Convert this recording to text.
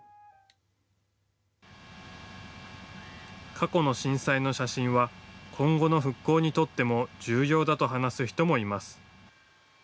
過去の震災の写真は今後の復興にとっても重要だと話す人もいます。